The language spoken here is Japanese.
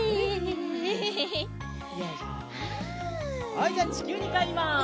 はいじゃあちきゅうにかえります。